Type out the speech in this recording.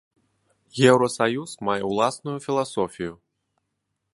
Еўрасаюз мае ўласную філасофію.